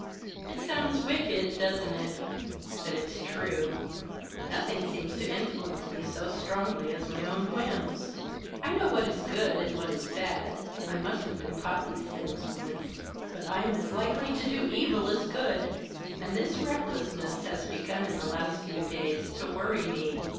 "It sounds wicked, doesn't it? But it is true. Nothing seems to influence me so strongly as my own whims. I know what is good and what is bad. I must have been taught these things once. But I am as likely to do evil as good, and this recklessness has begun, in the last few days, to worry me.